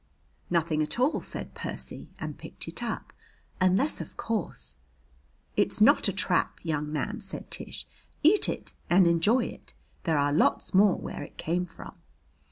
"Nothing at all," said Percy, and picked it up. "Unless, of course " "It's not a trap, young man," said Tish. "Eat it and enjoy it. There are lots more where it came from."